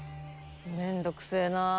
めんどくせえなあ。